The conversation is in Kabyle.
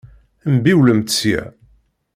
Mbiwlemt sya!